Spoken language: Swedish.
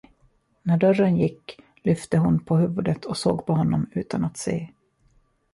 När dörren gick, lyfte hon på huvudet och såg på honom utan att se.